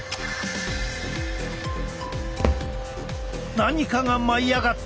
何かが舞い上がった！